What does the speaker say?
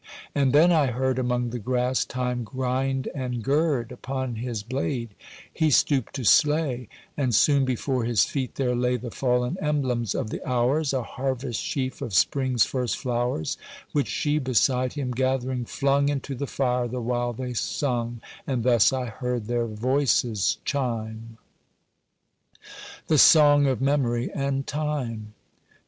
And then I heard, Among the grass, Time grind and gird Upon his blade: He stooped to slay, And soon before his feet there lay The fallen emblems of the hours— A harvest sheaf of spring's first flowers— Which she beside him gathering flung Into the fire the while they sung, And thus I heard their voices chime: (THE SONG OF MEMORY AND TIME.)